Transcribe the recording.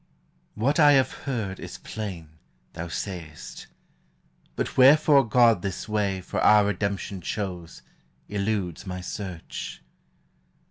What I have heard, Is plain, thou say'st: but wherefore God this way For our redemption chose, eludes my search.